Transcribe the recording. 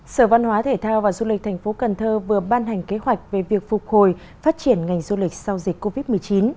sở văn hóa thể thao và du lịch thành phố cần thơ vừa ban hành kế hoạch về việc phục hồi phát triển ngành du lịch sau dịch covid một mươi chín